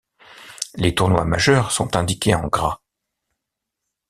Les Tournois majeurs sont indiqués en gras.